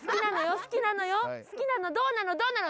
「好きなのどうなの？